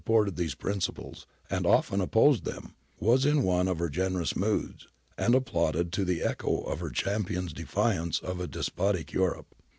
England, who has often supported these principles and often opposed them, was in one of her generous moods, and applauded to the echo her cham pion's defiance of despotic Europe.